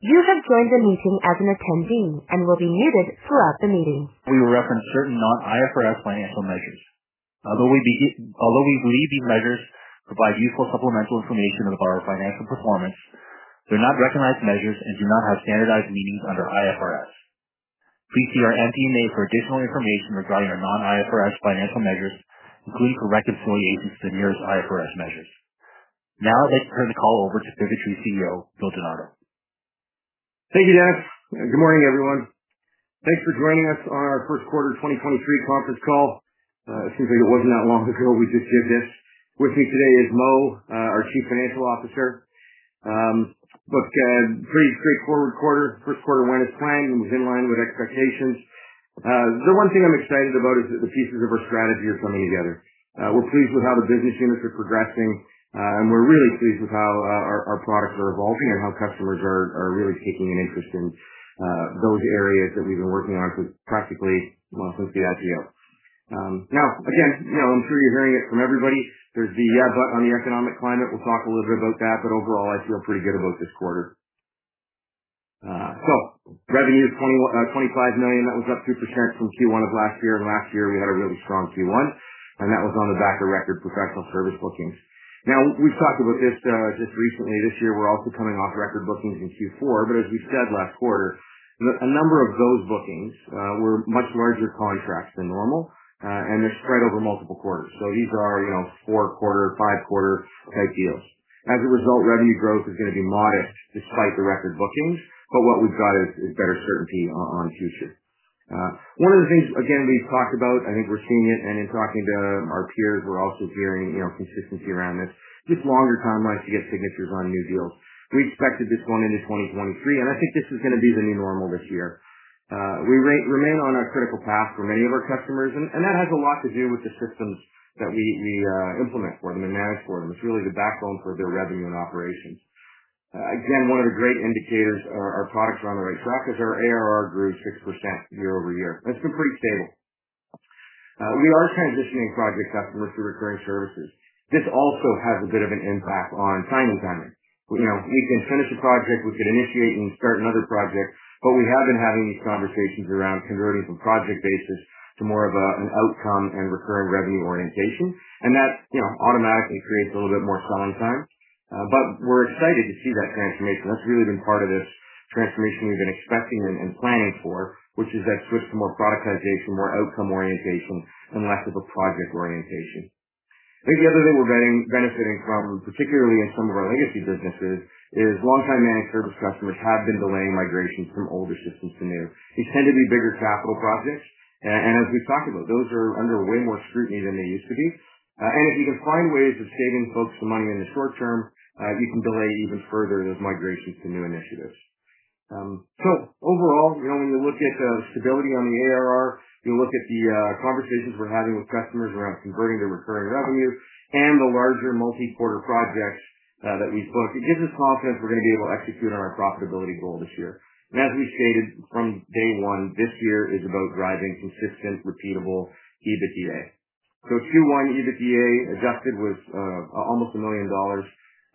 We will reference certain non-IFRS financial measures. Although we believe these measures provide useful supplemental information of our financial performance, they're not recognized measures and do not have standardized meanings under IFRS. Please see our MD&A for additional information regarding our non-IFRS financial measures, including reconciliations to the nearest IFRS measures. I'd like to turn the call over to Pivotree CEO, Bill Di Nardo. Thank you, Jeff. Good morning, everyone. Thanks for joining us on our 1Q 2023 conference call. It seems like it wasn't that long ago we just did this. With me today is Mo, our Chief Financial Officer. Looks pretty great forward quarter. 1Q went as planned and was in line with expectations. The one thing I'm excited about is that the pieces of our strategy are coming together. We're pleased with how the business units are progressing, and we're really pleased with how our products are evolving and how customers are really taking an interest in those areas that we've been working on for practically well since the IPO. Now again, you know, I'm sure you're hearing it from everybody. On the economic climate. We'll talk a little bit about that, but overall, I feel pretty good about this quarter. Revenue is $ 25 million. That was up 2% from Q1 of last year. Last year we had a really strong Q1, and that was on the back of record professional service bookings. Now, we've talked about this just recently. This year, we're also coming off record bookings in Q4, as we said last quarter, a number of those bookings were much larger contracts than normal, and they're spread over multiple quarters. These are, you know, 4-quarter, 5-quarter type deals. As a result, revenue growth is gonna be modest despite the record bookings, what we've got is better certainty on future. One of the things again we've talked about, I think we're seeing it and in talking to our peers, we're also hearing, you know, consistency around this. Just longer timelines to get signatures on new deals. We expected this going into 2023, and I think this is gonna be the new normal this year. We remain on a critical path for many of our customers, and that has a lot to do with the systems that we implement for them and manage for them. It's really the backbone for their revenue and operations. Again, one of the great indicators our products are on the right track is our ARR grew 6% year-over-year. It's been pretty stable. We are transitioning project customers to recurring services. This also has a bit of an impact on timing. You know, we can finish a project, we can initiate and start another project, we have been having these conversations around converting from project basis to more of an outcome and recurring revenue orientation. That, you know, automatically creates a little bit more sign time. We're excited to see that transformation. That's really been part of this transformation we've been expecting and planning for, which is that switch to more productization, more outcome orientation, and less of a project orientation. I think the other thing we're benefiting from, particularly in some of our legacy businesses, is longtime managed service customers have been delaying migrations from older systems to new. These tend to be bigger capital projects. As we've talked about, those are under way more scrutiny than they used to be. If you can find ways of saving folks some money in the short term, you can delay even further those migrations to new initiatives. Overall, you know, when you look at the stability on the ARR, you look at the conversations we're having with customers around converting to recurring revenue and the larger multi-quarter projects that we've booked, it gives us confidence we're gonna be able to execute on our profitability goal this year. As we stated from day one, this year is about driving consistent, repeatable EBITDA. Q1 EBITDA adjusted was almost $ 1 million.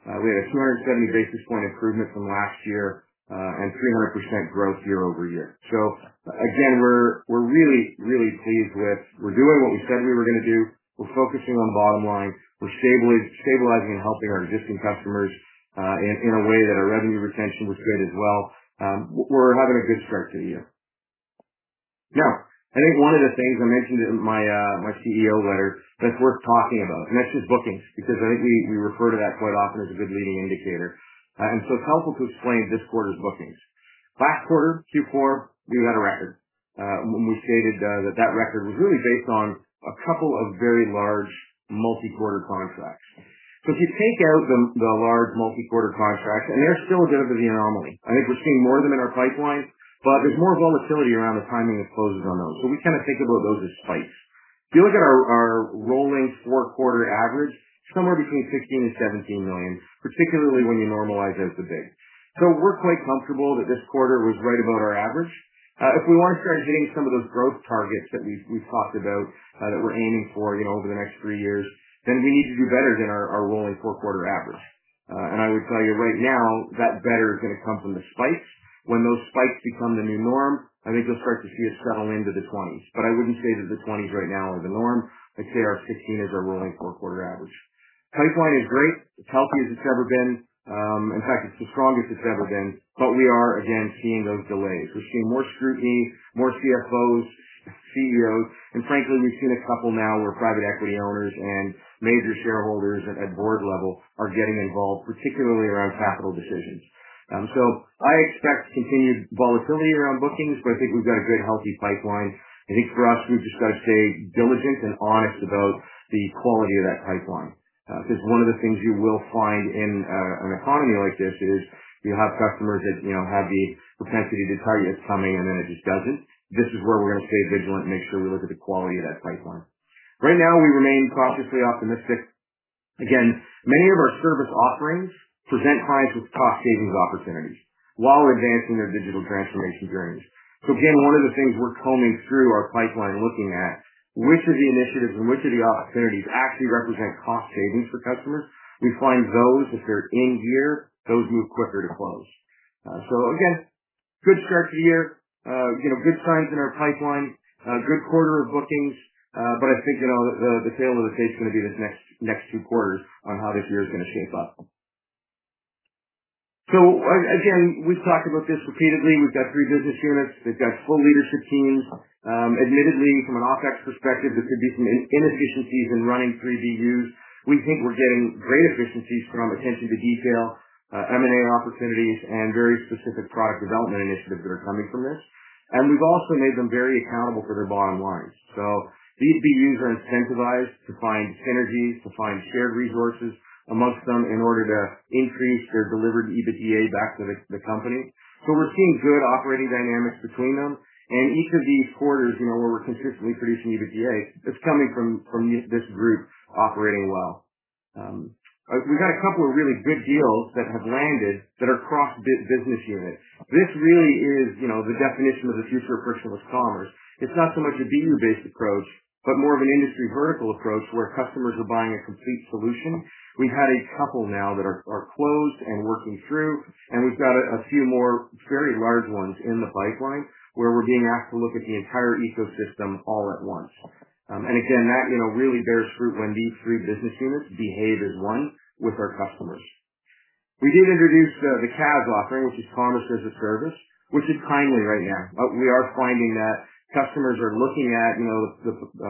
We had a 270 basis point improvement from last year, and 300% growth year-over-year. Again, we're really pleased with we're doing what we said we were gonna do. We're focusing on bottom line. We're stabilizing and helping our existing customers, in a way that our revenue retention was good as well. We're having a good start to the year. I think one of the things I mentioned in my CEO letter that's worth talking about, that's just bookings, because I think we refer to that quite often as a good leading indicator. It's helpful to explain this quarter's bookings. Last quarter, Q4, we had a record. When we stated that that record was really based on a couple of very large multi-quarter contracts. If you take out the large multi-quarter contracts, they're still a bit of an anomaly. I think we're seeing more of them in our pipeline, there's more volatility around the timing of closes on those. We kind of think about those as spikes. If you look at our rolling four-quarter average, somewhere between $ 15 million and $ 17 million, particularly when you normalize out the big. We're quite comfortable that this quarter was right about our average. If we wanna start hitting some of those growth targets that we've talked about, that we're aiming for, you know, over the next three years, then we need to do better than our rolling four-quarter average. I would tell you right now that better is gonna come from the spikes. When those spikes become the new norm, I think you'll start to see us settle into the 20s. I wouldn't say that the 20s right now are the norm. I'd say our 15 is our rolling four-quarter average. Pipeline is great. It's healthy as it's ever been. In fact, it's the strongest it's ever been. We are again, seeing those delays. We're seeing more scrutiny, more CFOs, CEOs, and frankly, we've seen a couple now where private equity owners and major shareholders at board level are getting involved, particularly around capital decisions. I expect continued volatility around bookings, but I think we've got a great, healthy pipeline. I think for us, we've just gotta stay diligent and honest about the quality of that pipeline. One of the things you will find in an economy like this is you'll have customers that, you know, have the propensity to tell you it's coming and then it just doesn't. This is where we're gonna stay vigilant and make sure we look at the quality of that pipeline. Right now, we remain cautiously optimistic. Again, many of our service offerings present clients with cost savings opportunities while advancing their digital transformation journeys. One of the things we're combing through our pipeline looking at which of the initiatives and which of the opportunities actually represent cost savings for customers. We find those, if they're in year, those move quicker to close. Good start to the year. You know, good signs in our pipeline. Good quarter of bookings. I think, you know, the tale of the tape is gonna be this next two quarters on how this year is gonna shape up. We've talked about this repeatedly. We've got three business units. They've got full leadership teams. Admittedly, from an OpEx perspective, there could be some inefficiencies in running three BUs. We think we're getting great efficiencies from attention to detail, M&A opportunities, and very specific product development initiatives that are coming from this. We've also made them very accountable for their bottom line. These BUs are incentivized to find synergies, to find shared resources amongst them in order to increase their delivered EBITDA back to the company. We're seeing good operating dynamics between them, and each of these quarters, you know, where we're consistently producing EBITDA, it's coming from this group operating well. We've had a couple of really big deals that have landed that are cross business unit. This really is, you know, the definition of the future of frictionless commerce. It's not so much a BU-based approach, but more of an industry vertical approach, where customers are buying a complete solution. We've had a couple now that are closed and working through, and we've got a few more very large ones in the pipeline, where we're being asked to look at the entire ecosystem all at once. Again, that, you know, really bears fruit when these three business units behave as one with our customers. We did introduce the CaaS offering, which is Commerce-as-a-Service, which is timely right now. We are finding that customers are looking at, you know,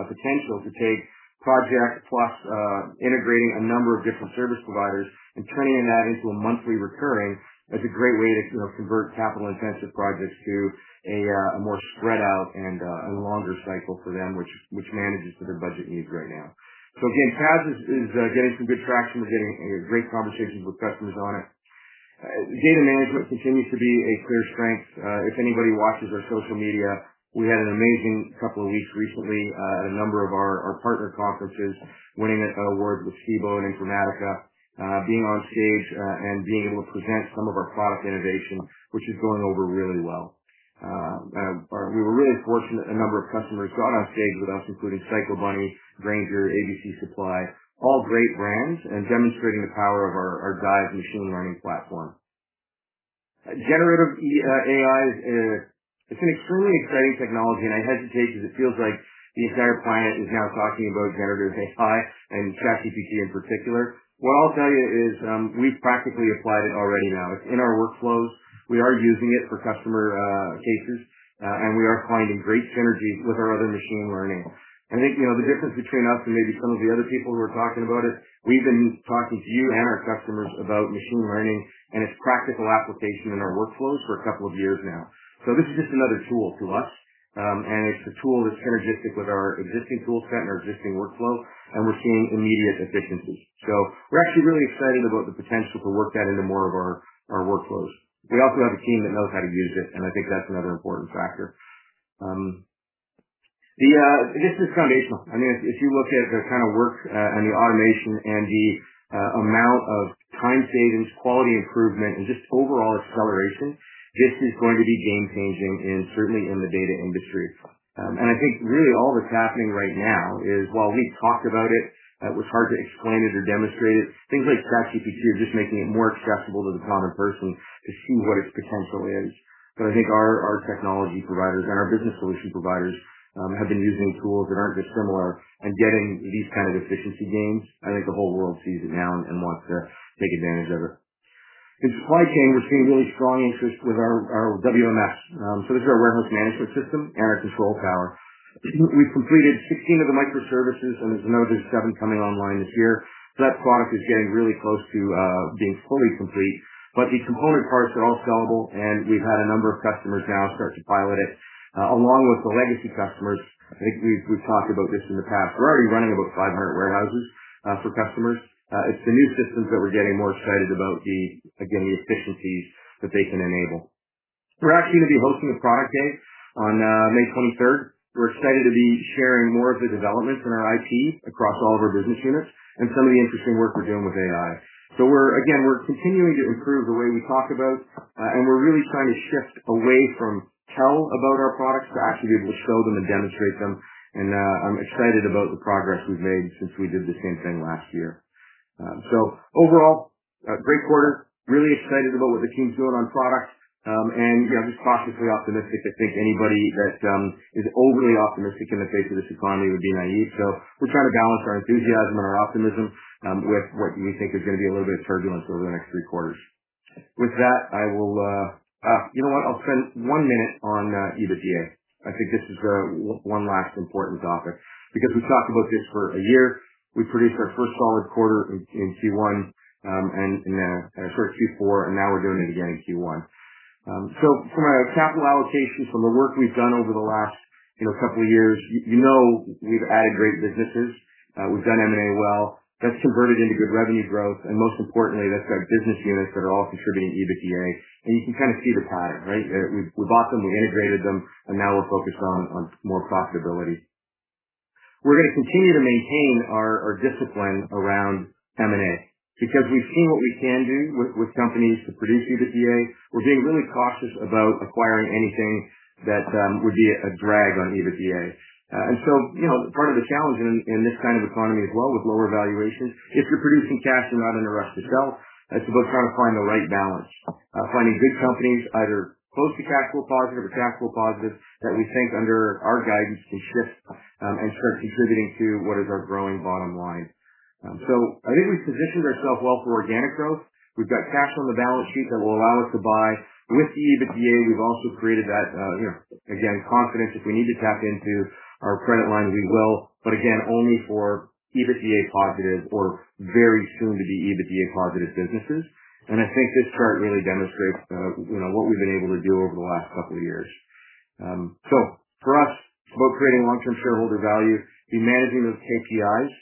potential to take project plus integrating a number of different service providers and turning that into a monthly recurring as a great way to, you know, convert capital-intensive projects to a more spread out and a longer cycle for them, which manages to their budget needs right now. Again, CaaS is getting some good traction. We're getting, you know, great conversations with customers on it. Data management continues to be a clear strength. If anybody watches our social media, we had an amazing couple of weeks recently at a number of our partner conferences, winning awards with Stibo and Informatica, being on stage and being able to present some of our product innovation, which is going over really well. We were really fortunate a number of customers got on stage with us, including Psycho Bunny, Grainger, ABC Supply, all great brands and demonstrating the power of our Guide machine learning platform. Generative AI is it's an extremely exciting technology, and I hesitate because it feels like the entire planet is now talking about Generative AI and ChatGPT in particular. What I'll tell you is, we've practically applied it already now. It's in our workflows. We are using it for customer cases, and we are finding great synergies with our other machine learning. I think, you know, the difference between us and maybe some of the other people who are talking about it, we've been talking to you and our customers about machine learning and its practical application in our workflows for a couple of years now. This is just another tool to us, and it's a tool that's synergistic with our existing toolset and our existing workflow, and we're seeing immediate efficiency. We're actually really excited about the potential to work that into more of our workflows. We also have a team that knows how to use it, and I think that's another important factor. This is foundational. I mean, if you look at the kind of work, and the automation and the amount of time savings, quality improvement, and just overall acceleration, this is going to be game changing and certainly in the data industry. I think really all that's happening right now is while we've talked about it was hard to explain it or demonstrate it. Things like ChatGPT are just making it more accessible to the common person to see what its potential is. I think our technology providers and our business solution providers, have been using tools that aren't dissimilar and getting these kind of efficiency gains. I think the whole world sees it now and wants to take advantage of it. In supply chain, we're seeing really strong interest with our WMS. This is our warehouse management system and our Control Tower. We've completed 16 of the microservices. There's another seven coming online this year. That product is getting really close to being fully complete. The component parts are all sellable. We've had a number of customers now start to pilot it. Along with the legacy customers, I think we've talked about this in the past. We're already running about 500 warehouses for customers. It's the new systems that we're getting more excited about the efficiencies that they can enable. We're actually gonna be hosting a product day on 23 May We're excited to be sharing more of the developments in our IT across all of our business units and some of the interesting work we're doing with AI. Again, we're continuing to improve the way we talk about, and we're really trying to shift away from tell about our products to actually be able to show them and demonstrate them. I'm excited about the progress we've made since we did the same thing last year. Overall, a great quarter. Really excited about what the team's doing on products. And, you know, just cautiously optimistic. I think anybody that is overly optimistic in the face of this economy would be naive. We're trying to balance our enthusiasm and our optimism, with what we think is gonna be a little bit of turbulence over the next three quarters. With that, I will. You know what? I'll spend 1 minute on EBITDA. I think this is one last important topic because we've talked about this for a year. We produced our first solid quarter in Q1, and a first Q4, now we're doing it again in Q1. From a capital allocation, from the work we've done over the last, you know, couple of years, you know we've added great businesses. We've done M&A well. That's converted into good revenue growth, and most importantly, that's got business units that are all contributing EBITDA. You can kind of see the pattern, right? We bought them, we integrated them, and now we're focused on more profitability. We're gonna continue to maintain our discipline around M&A because we've seen what we can do with companies to produce EBITDA. We're being really cautious about acquiring anything that would be a drag on EBITDA. You know, part of the challenge in this kind of economy as well with lower valuations, if you're producing cash, you're not in a rush to sell. It's about trying to find the right balance. Finding good companies either close to cash flow positive or cash flow positive that we think under our guidance can shift and start contributing to what is our growing bottom line. I think we've positioned ourselves well for organic growth. We've got cash on the balance sheet that will allow us to buy. With EBITDA, we've also created that, you know, again, confidence if we need to tap into our credit lines, we will, but again, only for EBITDA positive or very soon to be EBITDA positive businesses. I think this chart really demonstrates, you know, what we've been able to do over the last couple of years. For us, it's about creating long-term shareholder value, be managing those KPIs,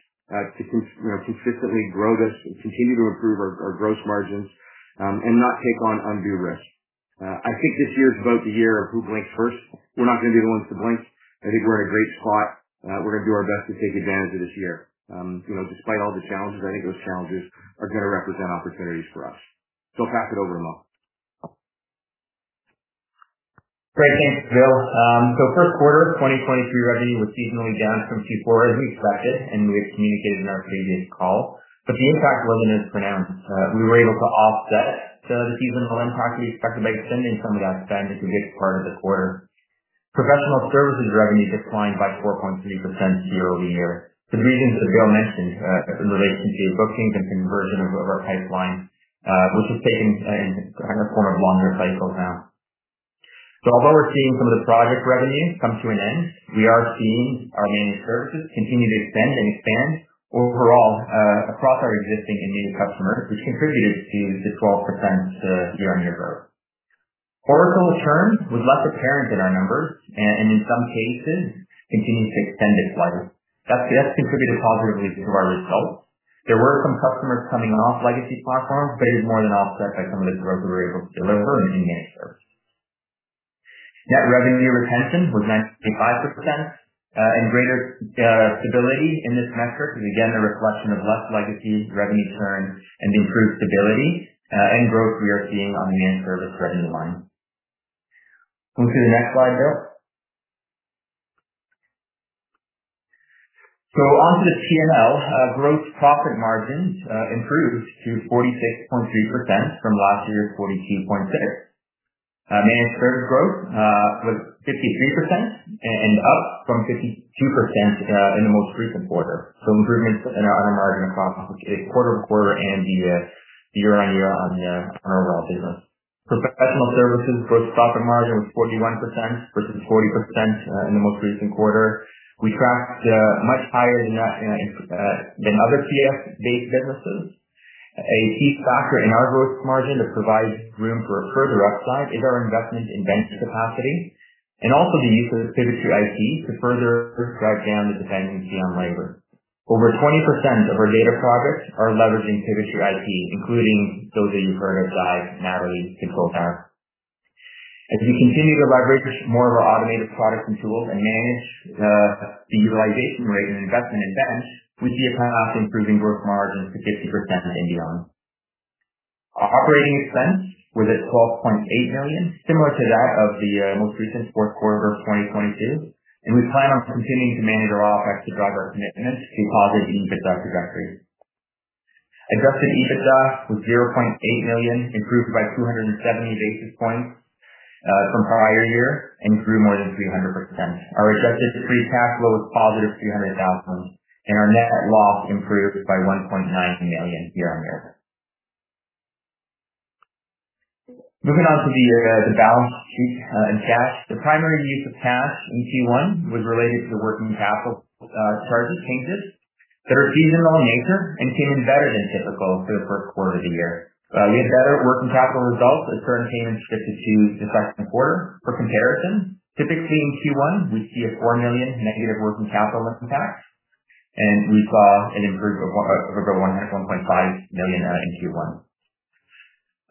you know, consistently grow this and continue to improve our gross margins and not take on undue risk. I think this year is about the year of who blinks first. We're not gonna be the ones to blink. I think we're in a great spot. We're gonna do our best to take advantage of this year. You know, despite all the challenges, I think those challenges are gonna represent opportunities for us. Pass it over to Mo. Great. Thanks, Bill. 1Q of 2023 revenue was seasonally down from Q4 as we expected, and we had communicated in our previous calls. The impact wasn't as pronounced. We were able to offset some of the seasonal impact we expected by extending some of that spend into this part of the quarter. Professional services revenue declined by 4.3% year-over-year for the reasons that Bill mentioned, as it relates to new bookings and conversion of our pipeline, which is taking in the corner of longer cycles now. Although we're seeing some of the project revenue come to an end, we are seeing our managed services continue to expand overall across our existing and new customers, which contributed to the 12% year-on-year growth. Horizontal churn was less apparent in our numbers and in some cases continued to extend its life. That's contributed positively to our results. There were some customers coming off legacy platforms. It was more than offset by some of the growth we were able to deliver in managed service. Net revenue retention was 95%, and greater stability in this metric is again a reflection of less legacy revenue churn and the improved stability and growth we are seeing on the managed service revenue line. Move to the next slide, Bill. Onto the PNL. Gross profit margins improved to 46.2% from last year's 42.6%. Managed service growth was 53% and up from 52% in the most recent quarter. Improvements in our margin profile quarter-over-quarter and the year-on-year on the, on our relative. Professional services gross profit margin was 41% versus 40% in the most recent quarter. We tracked much higher than that in other TS-based businesses. A key factor in our gross margin that provides room for a further upside is our investment in bench capacity and also the use of Pivotree IP to further drive down the dependency on labor. Over 20% of our data projects are leveraging Pivotree IP, including those that you've heard of, Guide, Natalie, Control Tower. As we continue to leverage this, more of our automated products and tools and manage the utilization rate and investment in bench, we see a path to improving gross margins to 50% and beyond. Our operating expense was at $ 12.8 million, similar to that of the most recent fourth quarter of 2022, and we plan on continuing to manage our OpEx to drive our commitment to positive EBITDA trajectory. Adjusted EBITDA was $ 0.8 million, improved by 270 basis points from prior year and grew more than 300%. Our adjusted free cash flow was positive $ 300,000, and our net loss improved by $ 1.9 million year-on-year. Moving on to the balance sheet and cash. The primary use of cash in Q1 was related to the working capital charges changes that are seasonal in nature and came in better than typical for the 1Q of the year. We had better working capital results as certain changes shifted to the second quarter. For comparison, typically in Q1, we see a $ 4 million negative working capital impact, we saw an improvement of over $ 101.5 million in Q1.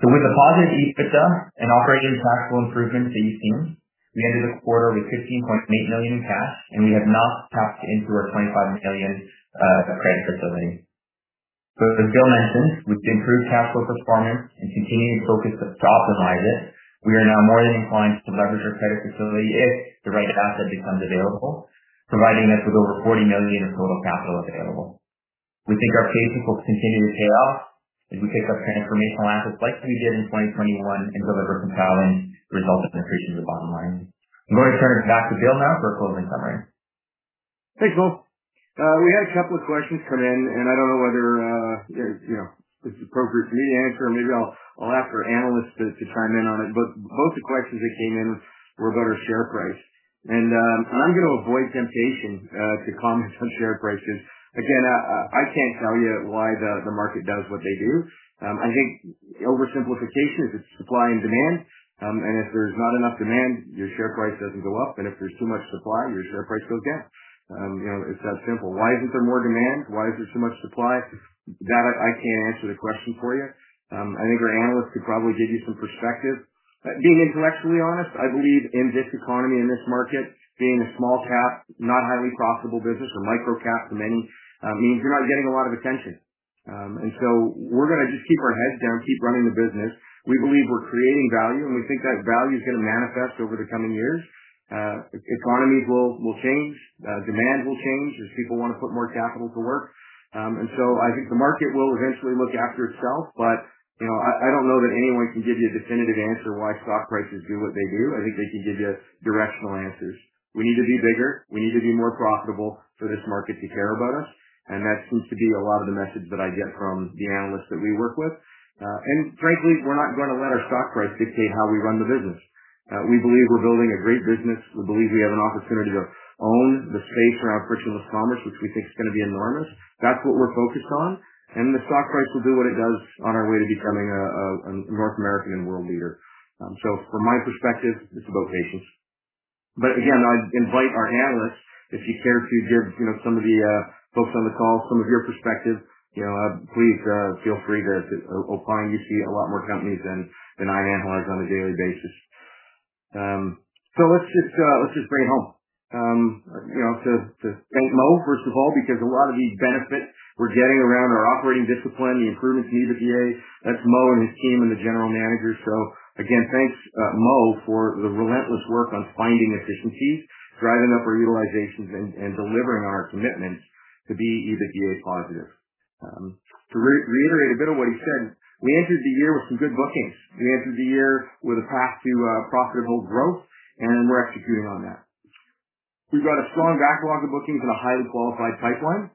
With the positive EBITDA and operating cash flow improvements that you've seen, we ended the quarter with $ 15.8 million in cash, we have not tapped into our $ 25 million credit facility. As Bill mentioned, with improved cash flow performance and continued focus to optimize it, we are now more than inclined to leverage our credit facility if the right asset becomes available, providing us with over $ 40 million of total capital available. We think our patience will continue to pay off as we pick up transformational assets like we did in 2021 and deliver compelling results that penetration the bottom line. I'm going to turn it back to Bill now for a closing summary. Thanks, Mo. We had a couple of questions come in. I don't know whether, you know, it's appropriate for me to answer or maybe I'll ask our analysts to chime in on it, but both the questions that came in were about our share price. I'm gonna avoid temptation to comment on share prices. Again I can't tell you why the market does what they do. I think oversimplification is it's supply and demand. If there's not enough demand, your share price doesn't go up. If there's too much supply, your share price goes down. You know, it's that simple. Why isn't there more demand? Why is there so much supply? That I can't answer the question for you. I think our analysts could probably give you some perspective. Being intellectually honest, I believe in this economy and this market, being a small cap, not highly profitable business or microcap to many, means you're not getting a lot of attention. We're gonna just keep our heads down, keep running the business. We believe we're creating value, and we think that value is gonna manifest over the coming years. Economies will change, demand will change as people wanna put more capital to work. I think the market will eventually look after itself. You know, I don't know that anyone can give you a definitive answer why stock prices do what they do. I think they can give you directional answers. We need to be bigger, we need to be more profitable for this market to care about us, and that seems to be a lot of the message that I get from the analysts that we work with. Frankly, we're not gonna let our stock price dictate how we run the business. We believe we're building a great business. We believe we have an opportunity to own the space around frictionless commerce, which we think is gonna be enormous. That's what we're focused on. The stock price will do what it does on our way to becoming an North American and world leader. From my perspective, it's about patience. Again, I invite our analysts, if you care to give, you know, some of the folks on the call some of your perspective, you know, please feel free to. We're applying UC at a lot more companies than I analyze on a daily basis. Let's just bring it home. You know, to thank Mo, first of all, because a lot of these benefits we're getting around our operating discipline, the improvements in EBITDA, that's Mo and his team and the general managers. Again, thanks, Mo, for the relentless work on finding efficiencies, driving up our utilizations, and delivering on our commitment to be EBITDA positive. To reiterate a bit of what he said, we entered the year with some good bookings. We entered the year with a path to profitable growth, and we're executing on that. We've got a strong backlog of bookings and a highly qualified pipeline,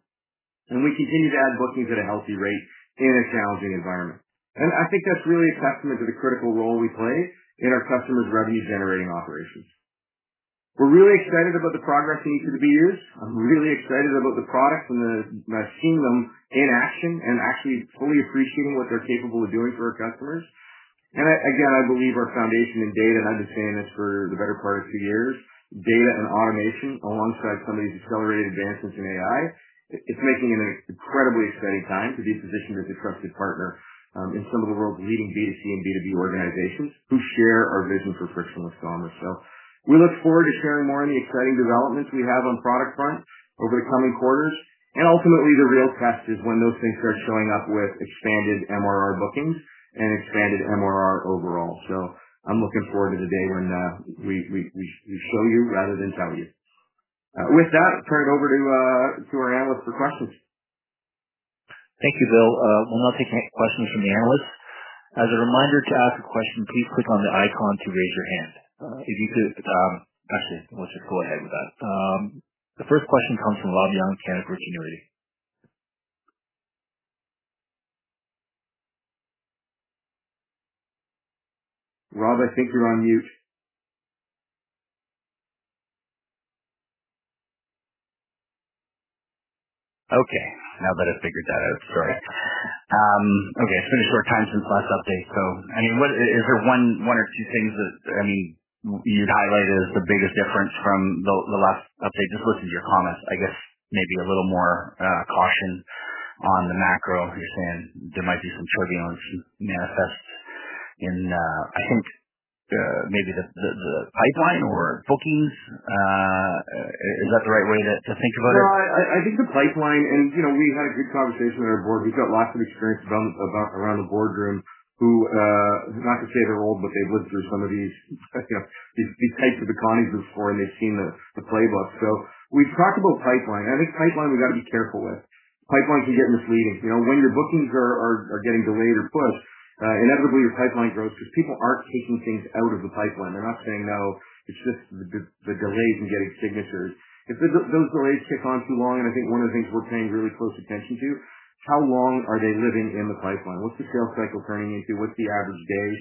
and we continue to add bookings at a healthy rate in a challenging environment. I think that's really a testament to the critical role we play in our customers' revenue-generating operations. We're really excited about the progress in B2B. I'm really excited about the products and the, and seeing them in action and actually fully appreciating what they're capable of doing for our customers. Again, I believe our foundation in data, and I've been saying this for the better part of two years, data and automation alongside some of these accelerated advancements in AI, it's making an incredibly exciting time to be positioned as a trusted partner in some of the world's leading B2C and B2B organizations who share our vision for frictionless commerce. We look forward to sharing more on the exciting developments we have on product front over the coming quarters. Ultimately, the real test is when those things start showing up with expanded MRR bookings and expanded MRR overall. I'm looking forward to the day when we show you rather than tell you. With that, turn it over to our analyst for questions. Thank you, Bill. We'll now take next questions from the analysts. As a reminder, to ask a question, please click on the icon to raise your hand. Actually, let's just go ahead with that. The first question comes from Rob Young, Canaccord Genuity. Rob, I think you're on mute. Okay. Now that I figured that out. Sorry. Okay. It's been a short time since last update. I mean, what, is there one or two things that, I mean, you'd highlight as the biggest difference from the last update? Just listen to your comments. I guess maybe a little more caution on the macro. You're saying there might be some turbulence manifest in, I think, maybe the pipeline or bookings. Is that the right way to think about it? I think the pipeline and, you know, we had a good conversation with our board. We've got lots of experience around the boardroom who, not to say they're old, but they've lived through some of these, you know, these types of economies before, they've seen the playbook. We've talked about pipeline. I think pipeline we've got to be careful with. Pipelines can get misleading. You know, when your bookings are getting delayed or pushed, inevitably your pipeline grows because people aren't taking things out of the pipeline. They're not saying no. It's just the delays in getting signatures. If those delays kick on too long, I think one of the things we're paying really close attention to, how long are they living in the pipeline? What's the sales cycle turning into? What's the average days?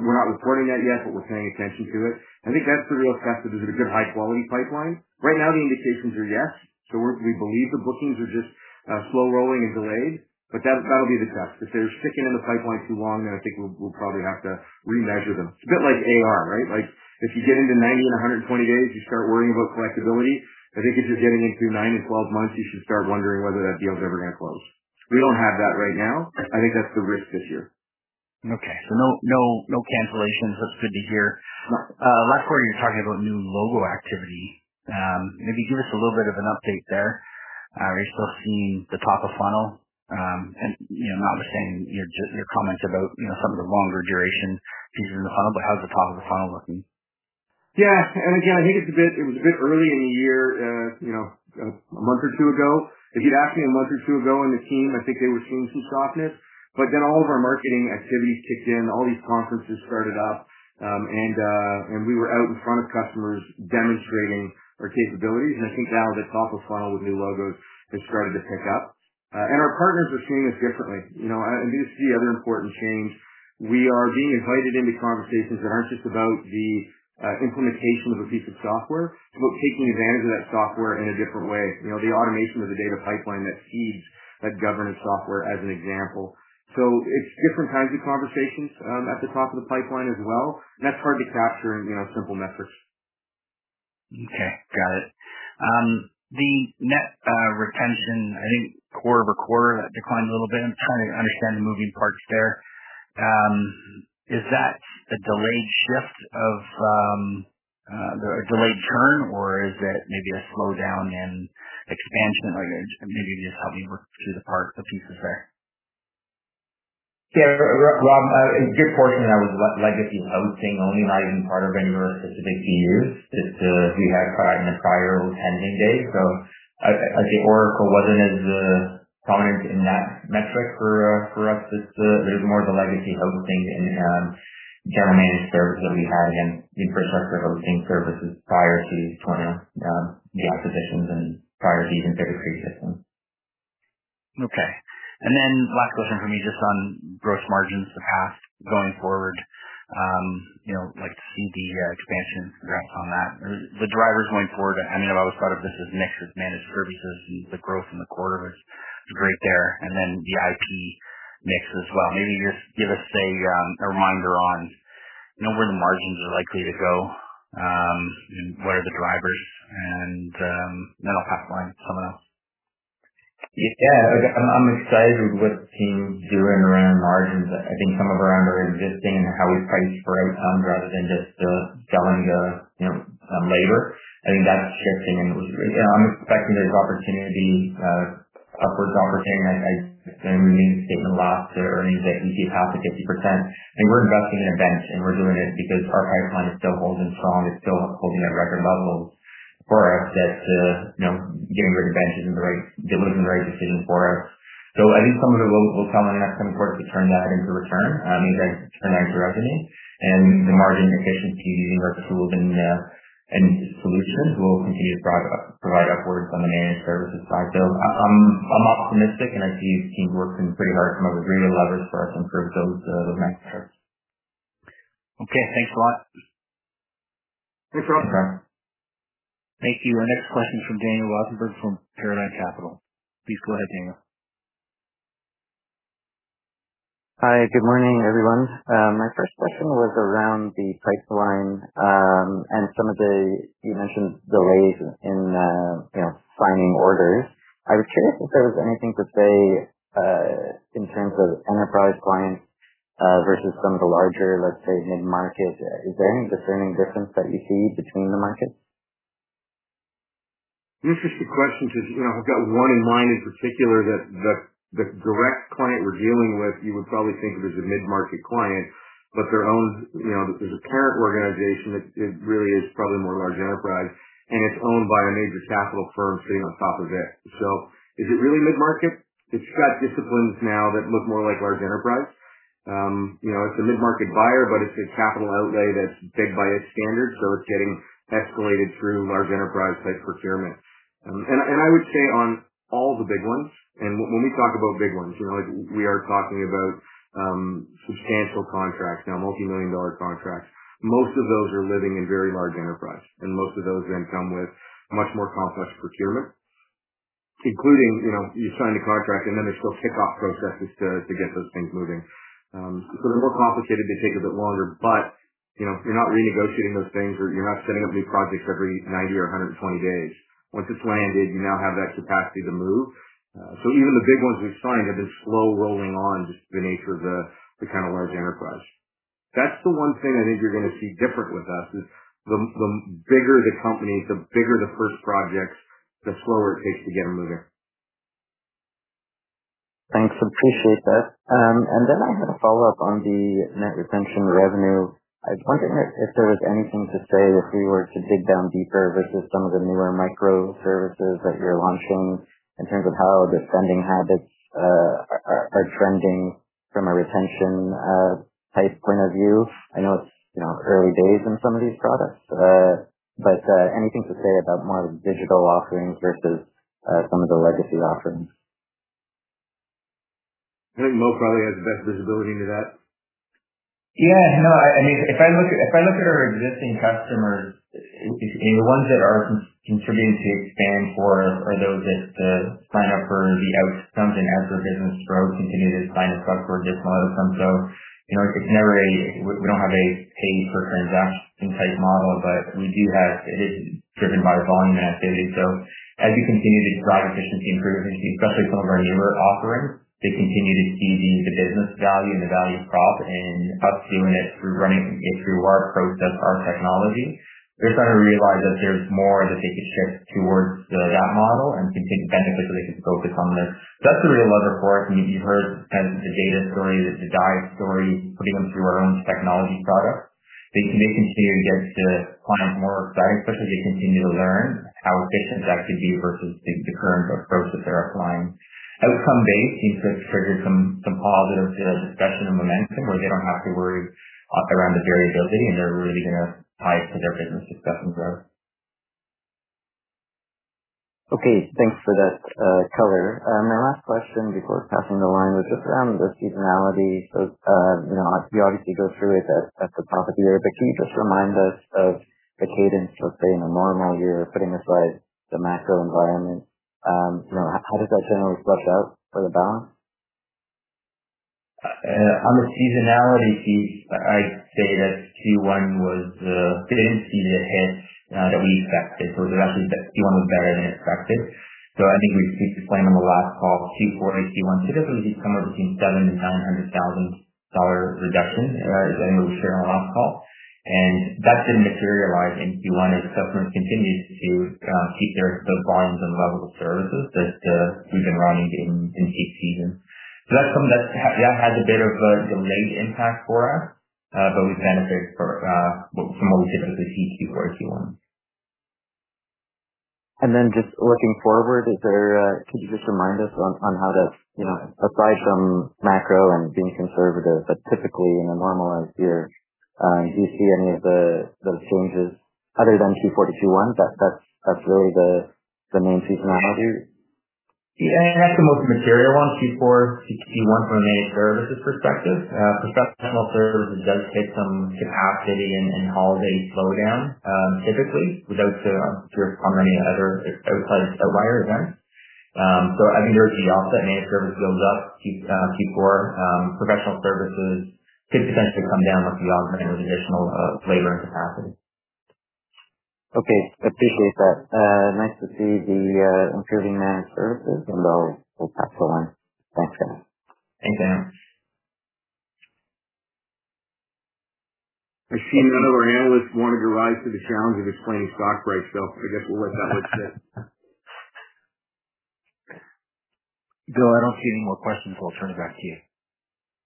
We're not reporting that yet, we're paying attention to it. I think that's the real test is it a good high-quality pipeline. Right now, the indications are yes. We believe the bookings are just slow rolling and delayed, that'll be the test. If they're sticking in the pipeline too long, I think we'll probably have to remeasure them. It's a bit like AR, right? If you get into 90 and 120 days, you start worrying about collectability. I think if you're getting into 9 and 12 months, you should start wondering whether that deal's ever gonna close. We don't have that right now. I think that's the risk this year. Okay. No cancellations that's good to hear. No. Last quarter you were talking about new logo activity. Maybe give us a little bit of an update there. Are you still seeing the top of funnel? You know, and understanding your comments about, you know, some of the longer duration features in the funnel, but how's the top of the funnel looking? Yeah. Again, I think it's a bit, it was a bit early in the year, you know, a month or two ago. If you'd asked me a month or two ago on the team, I think they were seeing some softness, all of our marketing activities kicked in, all these conferences started up, and we were out in front of customers demonstrating our capabilities. I think now the top of funnel with new logos has started to pick up. Our partners are seeing us differently. You know, this is the other important change. We are being invited into conversations that aren't just about the implementation of a piece of software, but taking advantage of that software in a different way. You know, the automation of the data pipeline that feeds that governance software as an example. It's different kinds of conversations at the top of the pipeline as well. That's hard to capture in, you know, simple metrics. Okay. Got it. The net retention, I think quarter-over-quarter, that declined a little bit. I'm trying to understand the moving parts there. Is that a delayed shift of the delayed turn or is it maybe a slowdown in expansion? Like maybe just help me work through the parts or pieces there. Yeah. Rob, a good portion of that was legacy hosting only riding part of it for a specific few years. We had acquired in the prior attending days. I think Oracle wasn't as prominent in that metric for us. There's more of the legacy hosting and general managed services that we had. Again, we purchased several hosting services prior to the acquisitions and prior to even Pivotree systems. Okay. Last question for me, just on gross margins the past going forward. You know, like to see the expansion graphs on that. The drivers going forward, I know a lot of this is mixed with managed services and the growth in the quarter was great there. VIP mix as well. Maybe just give us a reminder on, you know, where the margins are likely to go, and what are the drivers, and then I'll pass the line to someone else? I'm excited with what the team's doing around margins. I think some of around our existing and how we price for outcomes rather than just selling, you know, labor. I think that's shifting and You know, I'm expecting there's opportunity, upwards opportunity. I again, we made the statement in the last earnings that we see past the 50% and we're investing in a bench, and we're doing it because our pipeline is still holding strong. It's still holding at record levels for us that to, you know, get a great bench was the right decision for us. I think some of it will come in the next coming quarters to turn that into return, into revenue. The margin efficiency and the tools and solutions will continue to provide upwards on the managed services side. I'm optimistic, and I see the team working pretty hard from a great leverage for us to improve those metrics. Okay, thanks a lot. Thanks, Rob. Okay. Thank you. Our next question from Daniel Rosenberg from Paradigm Capital. Please go ahead, Daniel. Hi, good morning, everyone. My first question was around the pipeline, and you mentioned delays in, you know, signing orders. I was curious if there was anything to say, in terms of enterprise clients, versus some of the larger, let's say, mid-market. Is there any discerning difference that you see between the markets? Interesting question, because, you know, I've got one in mind in particular that the direct client we're dealing with, you would probably think of as a mid-market client, but their own, you know, there's a parent organization that it really is probably more large enterprise, and it's owned by a major capital firm sitting on top of it. Is it really mid-market? It's got disciplines now that look more like large enterprise. You know, it's a mid-market buyer, but it's a capital outlay that's big by its standards, so it's getting escalated through large enterprise type procurement. And I would say on all the big ones, and when we talk about big ones, you know, we are talking about substantial contracts now, multi-million dollar contracts. Most of those are living in very large enterprise, and most of those then come with much more complex procurement, including, you know, you sign the contract and then there's still kickoff processes to get those things moving. They're more complicated. They take a bit longer, but, you know, you're not renegotiating those things or you're not setting up new projects every 90 or 120 days. Once it's landed, you now have that capacity to move. Even the big ones we've signed have been slow rolling on, just the nature of the kind of large enterprise. That's the one thing I think you're gonna see different with us, is the bigger the companies, the bigger the first projects, the slower it takes to get them moving. Thanks. Appreciate that. I had a follow-up on the net retention revenue. I was wondering if there was anything to say if we were to dig down deeper versus some of the newer microservices that you're launching in terms of how the spending habits are trending from a retention type point of view. I know it's, you know, early days in some of these products. Anything to say about more digital offerings versus some of the legacy offerings? I think Mo probably has the best visibility into that. Yeah. No, I mean, if I look at our existing customers, the ones that are contributing to expand for us are those that sign up for the outcome and as their business grows, continue to sign us up for a different outcome. You know, it's never a... We don't have a pay per transaction type model, but it is driven by volume and activity. As you continue to drive efficiency improvements, especially some of our newer offerings, they continue to see the business value and the value prop. Us doing it through running it through our process, our technology, they're starting to realize that there's more that they could shift towards that model and can take benefit so they can focus on this. That's the real lever for us. You've heard kind of the data story, the guide story, putting them through our own technology products. They continue to get the client more excited, especially as they continue to learn how efficient that could be versus the current approach that they're applying. Outcome base seems to have triggered some positive discussion and momentum where they don't have to worry around the variability, and they're really gonna tie it to their business success and growth. Okay. Thanks for that color. My last question before passing the line was just around the seasonality. You know, you obviously go through it at the top of the year, but can you just remind us of the cadence, let's say in a normal year, putting aside the macro environment, you know, how does that generally flush out for the balance? Seasonalityality piece, I'd say that Q1 was, uh, didn't see the hit, uh, that we expected. So it was actually that Q1 was better than expected. I think we explained on the last call, Q4 and Q1 typically see somewhere between $ 700,000-$ 900,000 reduction, as I know we shared on the last call. That didn't materialize in Q1 as customers continued to keep their volumes and levels of services that we've been running in peak season. So that's something that's, yeah, has a bit of a delayed impact for us, but we've benefited for, well, from what we typically see in Q4, Q1. Just looking forward, could you just remind us on how to, you know, aside from macro and being conservative, but typically in a normalized year, do you see any of those changes other than Q4 to Q1? That's really the main seasonality. Yeah, that's the most material one, Q4 to Q1 from a managed services perspective. Professional services does take some capacity and holiday slowdown, typically without sort of how many other outside providers are there. I think there's the offset. Managed service builds up Q4. Professional services could potentially come down $ a few thousand with additional labor and capacity. Okay. Appreciate that. Nice to see the improving managed services as well. That's excellent. Thanks, guys. Thank you. I see none of our analysts wanted to rise to the challenge of explaining stock price, so I guess we'll let that one sit. Bill, I don't see any more questions, so I'll turn it back to you.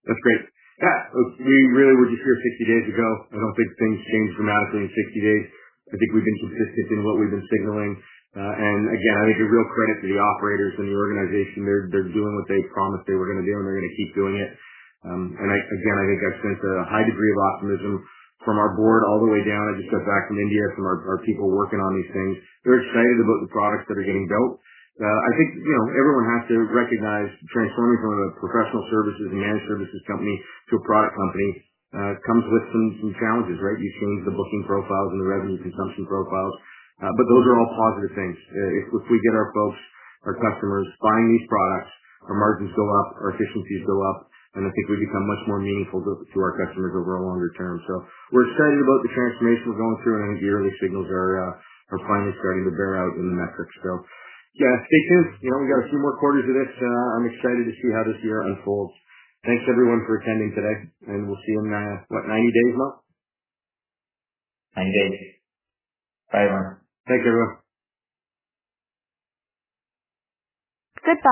That's great. Yeah, we really were just here 60 days ago. I don't think things changed dramatically in 60 days. I think we've been consistent in what we've been signaling. Again, I think a real credit to the operators and the organization. They're doing what they promised they were gonna do, and they're gonna keep doing it. I, again, I think I've sensed a high degree of optimism from our board all the way down. I just got back from India, from our people working on these things. They're excited about the products that are getting built. I think, you know, everyone has to recognize transforming from a professional services, managed services company to a product company comes with some challenges, right? You change the booking profiles and the revenue consumption profiles, those are all positive things. If we get our folks, our customers buying these products, our margins go up, our efficiencies go up, I think we become much more meaningful to our customers over a longer term. We're excited about the transformation we're going through, and I think the early signals are finally starting to bear out in the metrics. Yeah, stay tuned. You know, we got a few more quarters of this. I'm excited to see how this year unfolds. Thanks everyone for attending today, and we'll see you in what, 90 days, Mo? 90 days. Bye, everyone. Thanks, everyone. Goodbye.